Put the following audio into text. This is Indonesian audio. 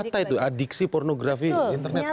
jadi nyata itu adiksi pornografi internet itu ya